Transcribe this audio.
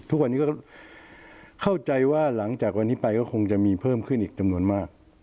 ทุกวันนี้ก็เข้าใจว่าหลังจากวันนี้ไปก็คงจะมีเพิ่มขึ้นอีกจำนวนมาก